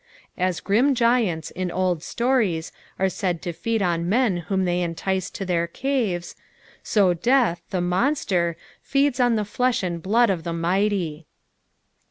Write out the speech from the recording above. As grim giants, in old atones, are said to feed <hi men whom they entice to tbeir caves, so death, the monster, feeds on the flesh and blood of the mighty.